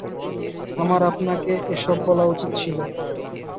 আমার আপনাকে এসব বলা উচিত ছিল।